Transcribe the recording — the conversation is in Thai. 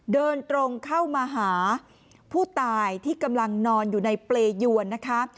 เดินตรงเข้ามาหาผู้ตายที่กำลังนอนอยู่ในเปรยวนนะคะ